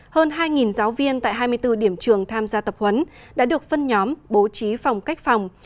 hơn hai giáo viên tại hai mươi bốn điểm trường tham gia tập huấn đã được phân nhóm bố trí phòng cách phòng